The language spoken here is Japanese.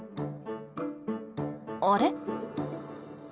あれ？